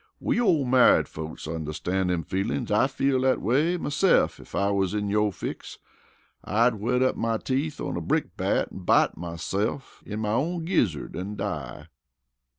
We ole married folks onderstan's dem feelin's. I'd feel dat way mese'f ef I wus in yo' fix. I'd whet up my teeth on a brick bat an' bite myse'f in my own gizzard an' die."